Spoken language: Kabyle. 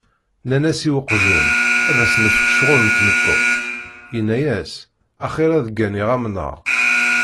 Nnan-as i uqjun, ad ak-nefk ccɣel n tmeṭṭut. Yenna-as, axir ad gganiɣ amnaṛ.